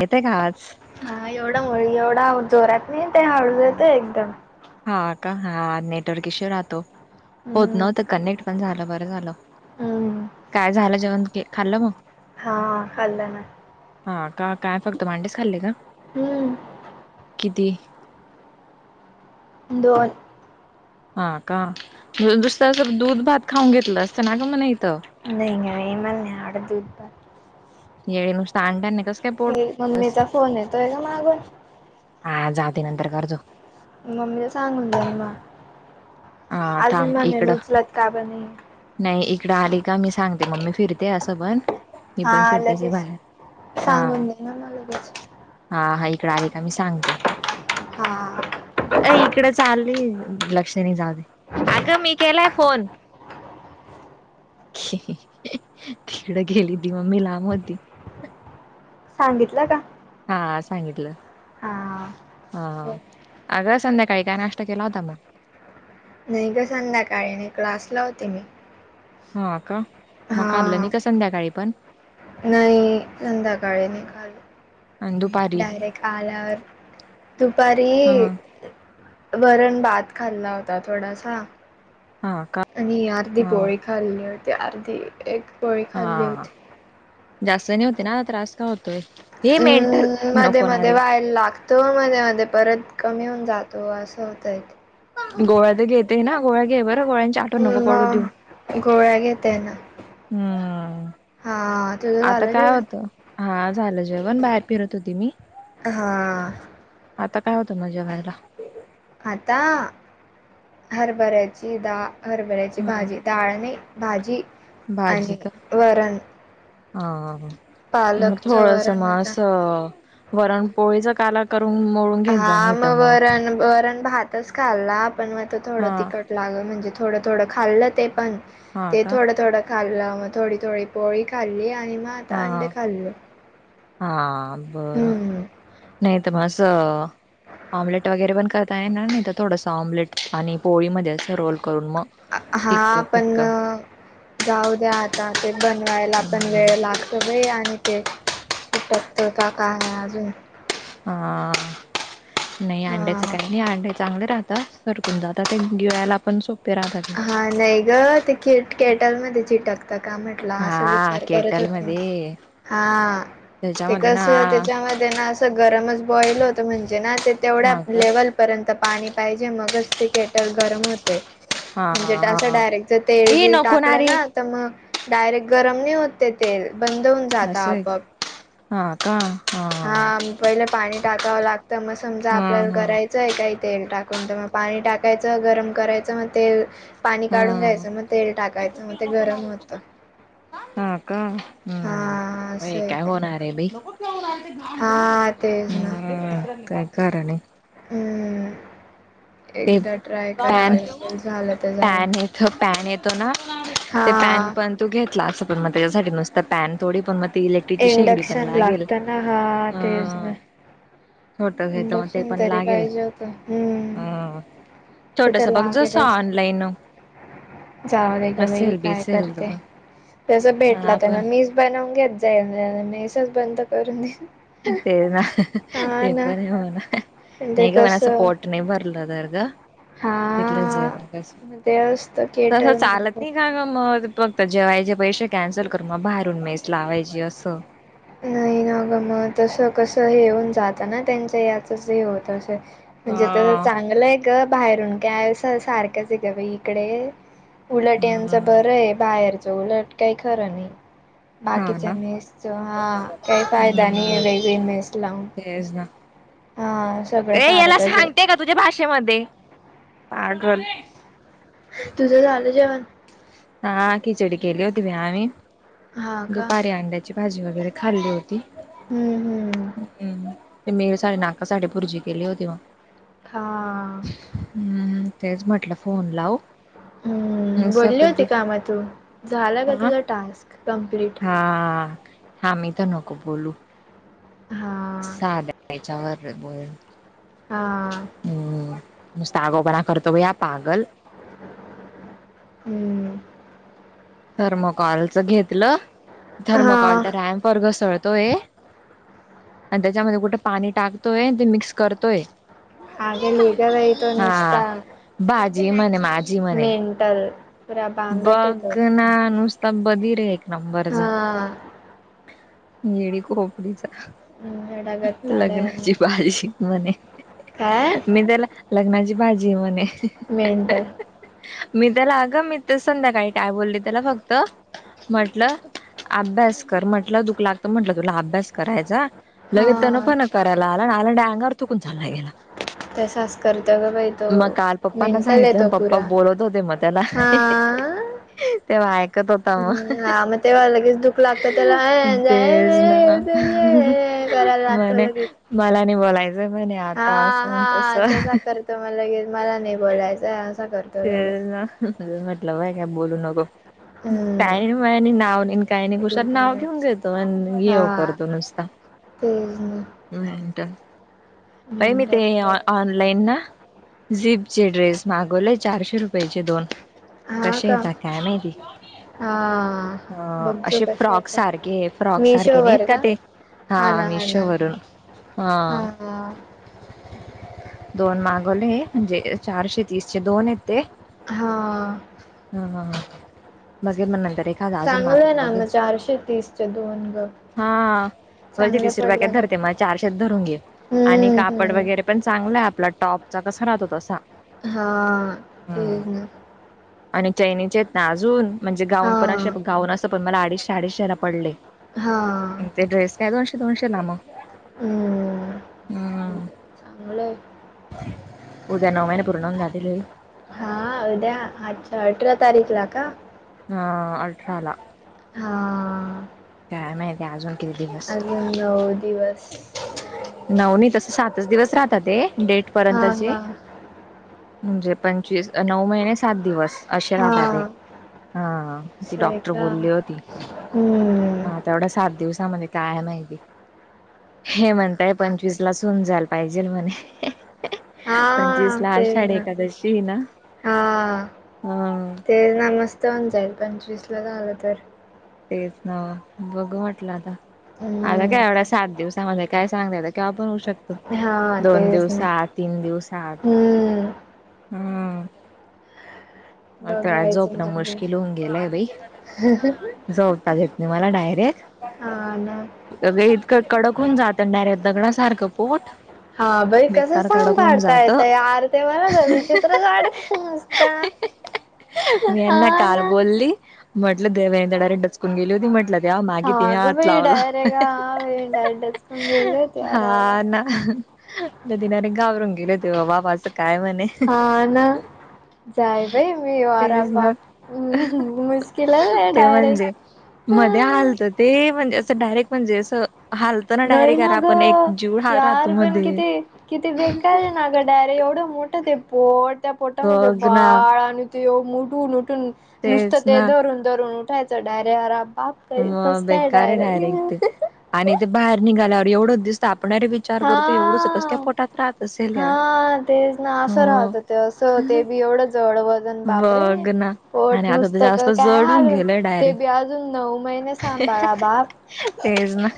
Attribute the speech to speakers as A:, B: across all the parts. A: येते का आज.
B: हा एवढा मु एवढा जोरात नाही ते हाळू देत एकदम.
A: हा का हा नेटवर्कशी राहतो. होत नवत
B: हम्म
A: कनेक्ट पण झालं बरं झालं
B: हम्म
A: काय झालं जेवण के खाल् म.
B: हा खाल्लं ना
A: हा का काय फक्त मांडेस खाल्ले का.
B: हम्म
A: किती.
B: दोन.
A: हा का दुसरं ज दूध भात खाऊन घेतलं असतं ना का मण इथं.
B: नाही इंग [unintelligible] व म नाही आड तप
A: ये नुस आणड्यानी कसं. काय पोट
B: हे
A: बस.
B: ममीचा फोन येतोय का मागून.
A: हा जाऊदे नंतर घर जाऊ.
B: मम्मीला सांगून जाल मग
A: हा
B: अजून
A: थांब
B: म्हणेल
A: इकडं
B: उचलात का पणे.
A: नाही इकडं आली का मी सांगते मम्मी फिरते असं पण. मी पण
B: हा
A: फिरताचे
B: लगेच
A: बाहेर हा.
B: सांगून दे ना मग लगेच
A: हा इकड आरे का मी सांगते.
B: हा.
A: अ इकडे चालली लक्ष्णी जा दे अगं मी केलाय फोन. तिकडं गेली ती मम्मी लांब होती.
B: सांगितलं का.
A: हा सांगितलं.
B: हा.
A: हा अग संध्याकाळी काय नाष्ट्ता केला होता मग.
B: नाही का संध्याकाळी नाही क्लास ला होते मी.
A: हा का मग खाल्लं
B: हा
A: नाही का संध्याकाळी पण.
B: नाही संध्याकाळी नाही खा
A: आणि दुपारी
B: डयरेक्ट आला दुपारी.
A: ह
B: वरण भात खाल्ला होता थोडासा.
A: हा का.
B: आणि अर्ध
A: ह
B: पोळी खाल्ली होती अर्ध एक. पोळी खाल्ली
A: हा
B: होती
A: जास्त नाही होते ना त्रास. होतोय ये मेंटल नकोणारे.
B: [inaudible] पान लाख तो मध्ये मध्ये परत कमी होऊन जातो असं होतंय.
A: गोळ्या तर घेते ना गोळ्या घे बरं गोळ्यांच्या.
B: मग गोळ्या घेते ना.
A: हम्म
B: हा तुझ
A: आता
B: झाल
A: काय
B: जेवण.
A: होतं हा झालं जेवण बाहेर फिरत होती मी.
B: हा.
A: आता काय होतं मग जेवायला.
B: आता हरभऱ्याची दा हरभऱ्याची
A: हा
B: भाजी. डाळ नाही भाजी.
A: भाजी
B: आणि
A: का
B: वरण
A: हा हा हा. म
B: पालकचं
A: थोडस म
B: वरण आता
A: अस वरण पोळीचा काला करून मोळु
B: हा मग वरण वरण भातच खाल्ला पण मग
A: हा
B: थोडं तिखट लाग म्हणजे थोडं थोडं खाल्लं ते पण
A: हा
B: ते
A: का
B: थोडं थोडं खाल्ला मग थोडी थोडी पोळी खाल्ली आणि मग आ
A: हा हा बरं.
B: हम्म
A: नाही तर मग अस. ऑम्लेट वगैरे पण करता येणार नाही तर थोडसं ऑमलेट आणि पोळी मध्ये असं रोल करून मग
B: हा
A: फिक्क
B: आपण
A: फिक्क
B: मग जाऊद्या आता ते बनवायला पण वेळ लाग ते बाई आणि ते चिटकता काय आहे अजून
A: हा नाही अंड्याच
B: हा
A: काही नाही अंड्या चांगले राहतात सरकून जातात ते गिळायला आपण सोपे राहतात.
B: हा नाही ग ते केटल मध्ये चिटकत का म्हण टल अस
A: हा
B: विचार करत
A: केटल
B: होते मी
A: मध्ये
B: हा. ते
A: त्याच्यामध्ये ना
B: कस त्याच्यामध्ये ना असं गरमच बॉईल होत म्हणजे ना ते तेवढ्या
A: हा
B: लेवल पर्यंत पाणी पाहिजे मगच ते केटल गरम होतय.
A: हा
B: म्हणजे
A: हा
B: असं
A: हा
B: डायरेक्ट जर तेल
A: ए
B: बिल
A: नको
B: टाकलं
A: रे
B: ना तर मग डायरेक्ट गरम नाही होते तेल बंद होऊन जात
A: असं आहे का
B: आपोआप.
A: हा का हा.
B: पहिलं पाणी टाकावं लागतं मग समजा आपल्याला
A: हम्म
B: करायच आहे काही तेल टाकून तर मग पाणी टाकायचं गरम करायचं मग ते पाणी काढून
A: हम्म
B: घ्यायचं मग तेल टाकायचं मग ते गरम होतं.
A: हा का हं
B: हा असं आहे
A: काय
B: ते
A: होणार आहे बाई
B: हा तेच ना.
A: हं काय. खरं नाही.
B: हम्म.
A: ते
B: एकदा ट्राय
A: पॅन
B: करावं लागेल झालं तर झालं.
A: पॅन येत पॅन येतो ना ते पॅन
B: हा
A: पण तू घेतला अस पण मग त्याच्यासाठी नुसत पॅन थोडी पण म
B: इंडक्शन लागत ना हा
A: अ
B: तेच ना.
A: छोट घेत मग ते
B: इंडक्शन
A: पण
B: तरी
A: लागेल
B: पाहिजे होत हंम्म.
A: छोटस बघजो अस ऑनलाईन
B: जाऊ दे गं बाई
A: असेल
B: काय
A: बिसेल
B: करते तस भेटला तर
A: आपण
B: मग मीच बनवून घेत जाईल मेसच बंद करून देईल.
A: तेच ना ते पण ये म्हणा
B: म्हणजे
A: नाही ग पण असं
B: कसं
A: पोट ने भरल तर गं.
B: हा. मग ते असतं
A: तसं
B: केटल
A: चालत
B: मध्ये
A: नाही का ग मग फक्त जेवायचे पैसे कॅन्सल कर मग बाहेरून मेस लावायची असं.
B: नाही ना गं मग तसं कसं हेऊन जातं ना त्यांच याचच हे होत असेल.
A: ह
B: म्हणजे तस चांगलं आहे ग बाहेरून काय आहेस सारखंच आहे ग बाई इकडे. उलट यांचं बरं आहे बाहेरच उलट काही खरं नाही.
A: हा
B: बाकीच्या
A: ना
B: मेस हा काही फायदा नाही आहे वेगळी मेस लावून.
A: तेज ना.
B: हा. सगळं
A: ए याला
B: सारखंच आहे.
A: सांगते का तुझ्या भाषेमध्ये पागल.
B: तुझं झालं जेवण.
A: हा खिचडी केले होतीव आम्ही
B: हा का?
A: दुपारी अंड्याची ची भाजी वगैरे खाल्ली होती
B: हम्म हम्म.
A: हम्म. [unintelligible] साठी बुर्जी केली होती, मग.
B: हा.
A: हम्म, तेच म्हटलं फोन लावू. [inaudible]
B: हम्म
A: मसा
B: बोलली होती
A: कद्दू
B: का मग तू? झाला का
A: अम
B: तुझा टास्क कंप्लीट?
A: हा. हा, मी तर नको बोलू.
B: हा.
A: साध त्याच्यावर बोल.
B: हा.
A: हम्म, नुसता आगाऊपणा करतो, बाई हा पागल.
B: हम्म,
A: थर्मोकॉलच घेतलं, थर्मोकॉल
B: हा.
A: तर रॅम्प वर घसळतोय. आणि त्याच्यामध्ये कुठे पाणी टाकतोय, ते मिक्स करतोय.
B: [unintelligible] तो
A: हा
B: नुसता.
A: भाजी म्हणे माझी. म्हणे
B: मेंटल. पुरा बांगट आहे तो.
A: बघ ना, नुसता बधीरयं.
B: हा.
A: येडी खोपडीचा.
B: गटागटाड्या
A: लग्नाची भाजी शिक म्हणे
B: काय?
A: मी त्याला लग्नाची भाजीयं म्हणे
B: मेंटल
A: मी त्याला अंग मी तर, संध्याकाळी काय बोलली त्याला फक्त म्हटलं अभ्यास कर म्हटल दुख लागत म्हटल तुला अभ्यास करायचा, लगे
B: हा.
A: तणफन करायला आला न आला चुकून चालला गेला.
B: तसाच करतो ग बाई तो.
A: मग काल पप्पांना
B: मेंटल आहे
A: सांगितलं,
B: तो
A: पप्पा
B: पुरा.
A: बोलत होते मग त्याला
B: हा.
A: तेव्हा ऐकत होता
B: हम्म.
A: मग
B: हा तेव्हा लगेच दुख लागत त्याला ये
A: तेच ना
B: [unintelligible] जा करायला लागतो
A: म्हणे
B: लगेच.
A: मला नाही बोलायचंय, म्हणे आता असं तस
B: तर म लगे मला नाही बोलायचं असा करतो. लगेच.
A: तेला ना लय मतलब आहे, काय बोलू नको. काय
B: हम्म.
A: नाही, म नाव नाही आणि काय नाही कुशात नाव घेऊन
B: रिकामेच
A: घेतो आणि ये करतो नुसता.
B: ते
A: मेंटल काय नाही,
B: मिनटाचं
A: ते
B: बघ
A: आँनलाईन ना झीप चे ड्रेस मागवले, चारशे रुपयाचे दोन.
B: हा
A: कसे
B: का
A: हायता काय माहिती?
B: हा
A: ह
B: बघजो
A: असे
B: कसं
A: फ्रॉक
B: येतं
A: सारखे फ्रॉक सारखे नाहीत का, ते हा
B: ना ना
A: मिशोवरून.
B: हा हा.
A: दोन मागवले, म्हणजे चारशे तीसशे दोन येत ते.
B: हा.
A: हा हा हा, बघेन मग नंतर एक. अजून
B: चांगलं आहे
A: मागवून
B: ना
A: बघेल
B: मग चारशे तीसचे दोन ग
A: हा. वरचे
B: चांगले
A: तीस रुपया काय
B: पडले ना
A: धरते, म चारशेत धरून घे आणि
B: हम्म
A: कापड
B: हम्म
A: वगैरे पण चांगला आहे, आपला टॉप चा कसा राहतो तसा.
B: हा ह
A: हम्म.
B: ह.
A: आणि चैनीचेत ना अजून म्हणजे गाऊन
B: हा
A: पण, असे गाऊन असे पण मला अडीचशे अडीचशे ला पडले,
B: हा
A: ते ड्रेस काय दोनशे दोनशे ला मग.
B: हम्म,
A: हम्म
B: चांगलयं.
A: उद्या नऊ महिने पूर्ण होऊन झालेले आहेत
B: हा उद्या अच्छा अठरा तारीख ला का
A: हा अठराला
B: हा
A: काय माहिती अजून किती दिवस
B: अजून नऊ दिवस नऊ महिने
A: नऊनी
B: नऊ
A: तस सातच दिवस राहता ते डेट
B: हा
A: पर्यंतचे
B: हा
A: म्हणजे पंचवीस नऊ महिने सात दिवस अशी राहता ते
B: हा
A: हा ती
B: असं आहे
A: डॉक्टर
B: का
A: बोलली होती मग
B: हम्म
A: आता एवढा सात दिवसामध्ये काय आहे माहिती हे म्हणताय पंचवीस लाच हुन जायला पाहिजेल म्हणे पंचवीस
B: हा
A: ला
B: तेच
A: आषाढी
B: ना
A: एकादशी हाय ना
B: हा
A: ह
B: ते ना मस्त होन जाईल पंचवीस ला झालं तर
A: तेच ना बघु म्हटलं आता
B: हम्
A: आता काय एवढ्या सात दिवसामध्ये काय सांगते त कवा पण होऊ शकतो
B: हा
A: दोन
B: तेच ना
A: दिवसात तीन दिवसांत
B: हम्म
A: हम मला त्या
B: बघायचं
A: झोपणं
B: म्हणजे
A: मुश्किल होऊन गेलंय बाई झोपताच येत नाही मला
B: हा ना
A: डायरेक्ट अ इतकं कडक होऊन जात ना डायरेक्ट दगडा सारखं पोट
B: हा बाई कसं
A: बेकार
B: सांग
A: कडक होऊन
B: पाडता येत
A: जातं
B: आरते मला ना विचित्रच वाटतय नुसता
A: मी यांना काल बोलली म्हटलं देव तडे डचकून गेली होती म्हटलं या
B: हा
A: मागे तिने
B: अगं
A: हात
B: बाई
A: लावला
B: डायरेक्ट हा बाई डायरेक्ट डचकून गेले होते
A: [unintelligible]
B: आरावर.
A: हा ना न तने घाबरून गेले तेव्हा बाबा असं काय म्हणे
B: हा ना जाय बाई मी
A: तेच ना
B: वाराबाप मुश्किलच आहे
A: ते
B: डायरेक्ट
A: म्हणजे मध्ये हालत ते म्हणजे असं डायरेक्ट म्हणजे अस हाल -
B: नाही ना गं यार पण
A: मध्ये
B: किती किती बेकार आहे ना गं डायरे एवढं मो -ट्ट ते पोट त्या पोटामध्ये
A: बघ ना
B: बाळ आणि न ते उठून उटून नुसतं
A: तेच
B: ते
A: ना
B: धरून धरून उठायचं डायरे आराब
A: म बेकार आहे डायरेक्ट ते आणि ते बाहेर निघाल्यावर एवढं दिसत आपण [unintelligible]
B: हा
A: एवढंच कस काय पोटात राहत असेल यार
B: हा तेच ना असं
A: हो
B: राहत तसं हो ते बी एवढं जड वजन बापरे
A: बघ ना आणि
B: पोट
A: आता तर
B: नुसतक
A: जास्त
B: काय
A: जडून
B: हालून ते बी अजून नऊ महिनेच
A: तेज ना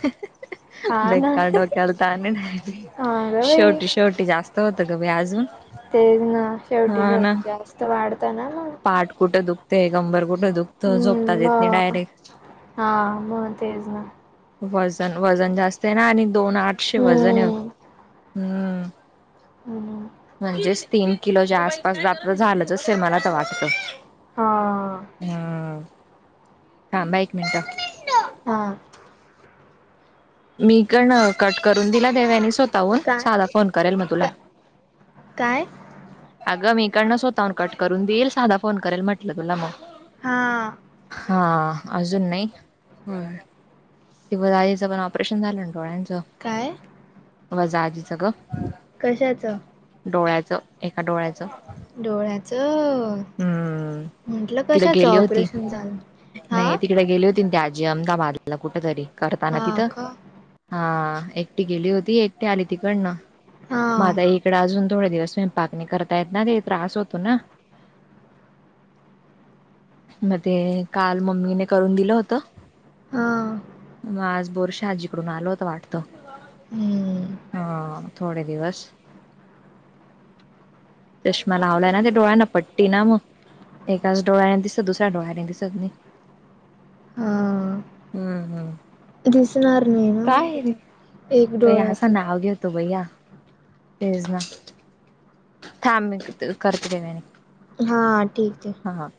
B: हा ना
A: बेकार डोक्याला तानाय नाही बाई
B: हा ग बाई
A: शेवटी शेवटी जास्त होतं ग बई अजून
B: तेज ना शेवटी
A: हा ना
B: शेवटी जास्त वाढतं ना मग
A: पाठ कुठं दुखते कंबर कुठं दुखतं झोपताच
B: हम्म
A: येत नाही
B: मग
A: डायरेक्ट
B: हा म तेज ना
A: वजन वजन जास्त आहे ना आणि दोन आठशे वजन आहे
B: हम्म.
A: हम्म
B: हम्म
A: म्हणजेच तीन किलोच्या आसपास जास्त झालंच असे मला तर वाटते
B: हा
A: ह थांब ह एक मिनिटं
B: होय
A: मी हीकडन कट करून दिला देवयानी स्वतःहून
B: काय
A: साधा फोन करेल मग तुला
B: का काय?
A: अगं मी इकडनं स्वतःहून कट करून देईल साधा फोन करेल म्हटलं तुला मग
B: हा
A: हा अजून नाही हु ते उगच आईचं पण ऑपरेशन झालं ना डोळ्यांचं
B: काय
A: मज आजी गप
B: कशाचं
A: डोळ्याचं एका डोळ्याचं
B: डोळ्याचं -अ
A: हम्म तिकडे गेली होती
B: ऑपरेशन झालं हा
A: नाही तिकडे गेली होती ते आ जे अहमदाबादला कुठ तरी करताना
B: हा
A: तिथं
B: का
A: हा एकटी गेली होती एकटी आली तिकडनं
B: हा
A: मग आता इकडे अजून थोडे दिवस मी पाकणी करतायेत ना ते त्रास होतो ना. मग ते काल मम्मीने करून दिलं होत.
B: हा
A: मग आज बोरशा आजीकडून आलो होता वाटत
B: हम्म
A: हा तो थोडे दिवस - चष्मा लावलाय ना ते डोळ्यांना पट ती ना मग एकाच डोळ्याने दिसत दुसऱ्या डोळ्याने दिसत नाही
B: हा
A: हुम्म हुम्
B: दिसणार नाही ना मगथ एक डोळ्याच
A: तो भैया तेज ना थांब मीट अ करते न
B: हा ठीक आहे.
A: हां हां